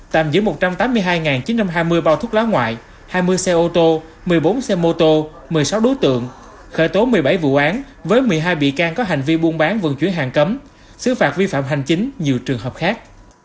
tạm giữ một trăm tám mươi hai chín trăm hai mươi bao thuốc lá ngoại hai mươi xe ô tô một mươi bốn xe mô tô một mươi sáu đối tượng khởi tố một mươi bảy vụ án với một mươi hai bị can có hành vi buôn bán vận chuyển hàng cấm xứ phạt vi phạm hành chính nhiều trường hợp khác